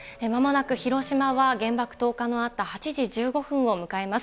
まもなく広島は原爆投下のあった８時１５分を迎えます。